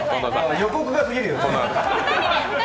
予告が過ぎるよ。